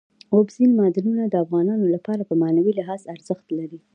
اوبزین معدنونه د افغانانو لپاره په معنوي لحاظ ارزښت لري.